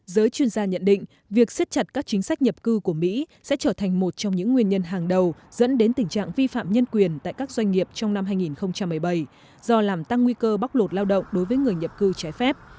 giới chuyên gia nhận định việc siết chặt các chính sách nhập cư của mỹ sẽ trở thành một trong những nguyên nhân hàng đầu dẫn đến tình trạng vi phạm nhân quyền tại các doanh nghiệp trong năm hai nghìn một mươi bảy do làm tăng nguy cơ bóc lột lao động đối với người nhập cư trái phép